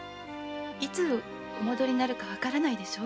いつお戻りになるかわからないでしょ。